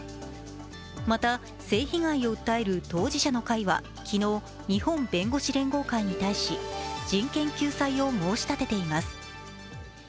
また性被害を訴える当事者の会は昨日、日本弁護士連合会に対し人権救済を申し立てています。